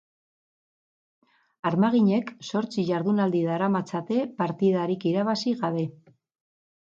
Armaginek zortzi jardunaldi daramatzate partidarik irabazi gabe.